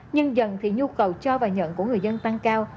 nhưng dần thì nhu cầu cho và nhận của người dân tăng cao